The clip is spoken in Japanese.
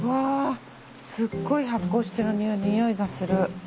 すっごい発酵してるにおいがする。